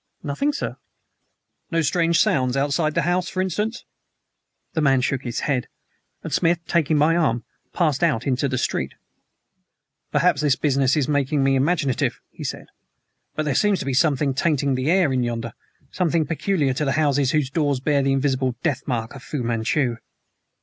"Nothing, sir." "No strange sounds outside the house, for instance?" The man shook his head, and Smith, taking my arm, passed out into the street. "Perhaps this business is making me imaginative," he said; "but there seems to be something tainting the air in yonder something peculiar to houses whose doors bear the invisible death mark of Fu Manchu."